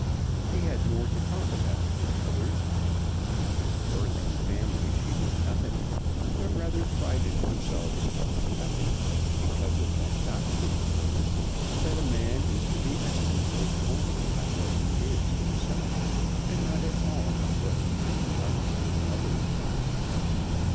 He had more to talk about than others. Of his birth and family she knew nothing, but rather prided herself in knowing nothing, because of that doctrine of hers that a man is to be estimated only by what he is himself, and not at all by what he may derive from others.